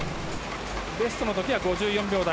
ベストの時は５４秒台。